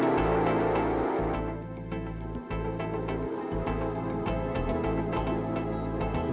segera kita tinggalkan hanikannya